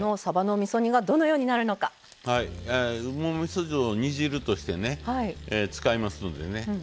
うまみそ酢を煮汁として使いますのでね